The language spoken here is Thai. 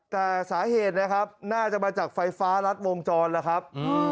แต่สาเหตุนะครับน่าจะมาจากไฟฟ้ารัดวงจรแล้วครับ